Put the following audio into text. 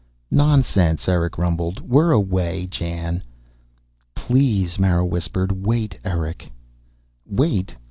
"Nonsense," Erick rumbled. "We're away, Jan." "Please," Mara whispered. "Wait, Erick." "Wait?